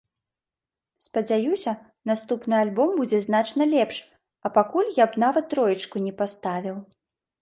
Спадзяюся, наступны альбом будзе значна лепш, а пакуль я б нават троечку не паставіў.